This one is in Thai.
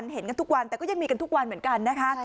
เห็นกันทุกวันแต่ก็ยังมีกันทุกวันเหมือนกันนะคะ